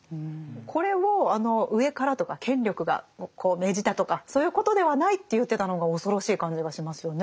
これを上からとか権力がこう命じたとかそういうことではないって言ってたのが恐ろしい感じがしますよね。